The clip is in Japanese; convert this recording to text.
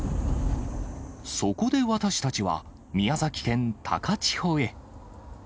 そこで私たちは、宮崎県高千穂へ。